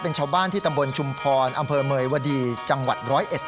เป็นชาวบ้านที่ตำบลชุมพรอำเภอเมยวดีจังหวัดร้อยเอ็ด